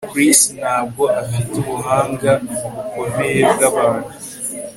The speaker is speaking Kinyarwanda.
Chris ntabwo afite ubuhanga bukomeye bwabantu